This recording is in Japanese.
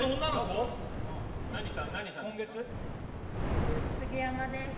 何さんですか？